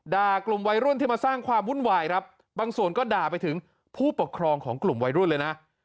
กลุ่มวัยรุ่นที่มาสร้างความวุ่นวายครับบางส่วนก็ด่าไปถึงผู้ปกครองของกลุ่มวัยรุ่นเลยนะ